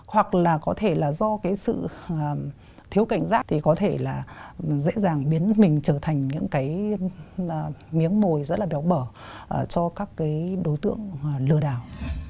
hoặc là có thể do sự thiếu cảnh giác thì có thể dễ dàng biến mình trở thành những miếng mồi rất đéo bở cho các đối tượng lừa đảo